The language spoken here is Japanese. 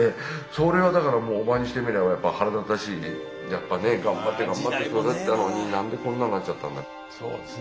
それはだからもうおばにしてみればやっぱ腹立たしいねやっぱね頑張って頑張って育てたのになんでこんなになっちゃったんだ。